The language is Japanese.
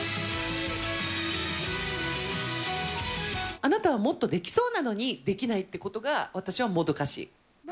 あなたはもっとできそうなのに、できないってことが、私はもどかしい。